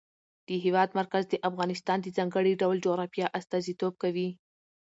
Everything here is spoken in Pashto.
د هېواد مرکز د افغانستان د ځانګړي ډول جغرافیه استازیتوب کوي.